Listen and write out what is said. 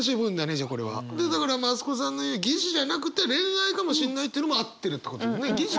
だから増子さんの言う疑似じゃなくて恋愛かもしんないというのも合ってるってことだね。